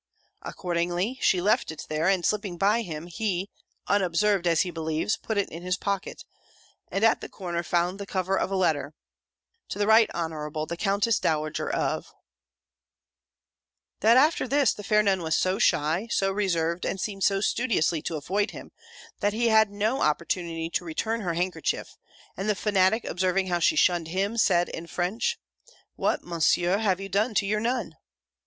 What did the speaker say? Accordingly she left it there; and slipping by him, he, unobserved, as he believes, put it in his pocket, and at the corner found the cover of a letter "To the Right Honourable the Countess Dowager of " That after this, the fair Nun was so shy, so reserved, and seemed so studiously to avoid him, that he had no opportunity to return her handkerchief; and the Fanatic observing how she shunned him, said, in French, "What, Monsieur, have you done to your Nun?"